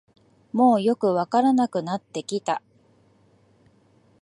もうよくわからなくなってきた